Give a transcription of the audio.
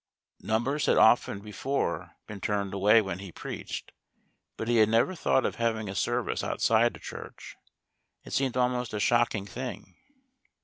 Numbers had often before been turned away when he preached, but he had never thought of having a service outside a church, it seemed a most shocking thing.